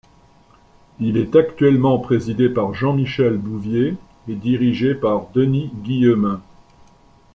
Il est actuellement présidé par Jean-Michel Bouvier et dirigé par Denis Guillemin.